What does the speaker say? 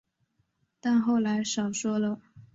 但后来少说了